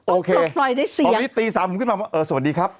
โอเคตอนนี้ตี๓ผมขึ้นมาสวัสดีครับ